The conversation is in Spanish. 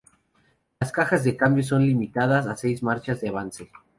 Las cajas de cambio son limitadas a seis marchas de avance.